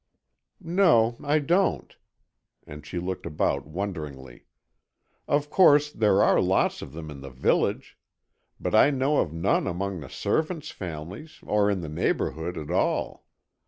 "No, I don't," and she looked about wonderingly. "Of course, there are lots of them in the village, but I know of none among the servants' families or in the neighbourhood at all.